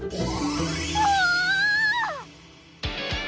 うわ！